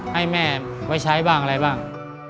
ให้แม่ไว้ใช้บ้างอะไรบ้าง